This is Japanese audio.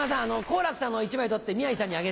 好楽さんのを１枚取って宮治さんにあげて。